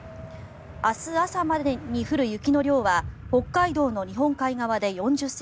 明日朝までに降る雪の量は北海道の日本海側で４０ｃｍ